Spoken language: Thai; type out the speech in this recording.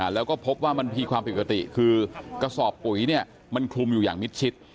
แล้วก็พบว่ามันมีความผิดปกติคือกระสอบปุ๋ยเนี่ยมันคลุมอยู่อย่างมิดชิด